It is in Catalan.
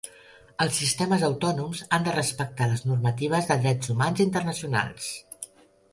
Els sistemes autònoms han de respectar les normatives de drets humans internacionals.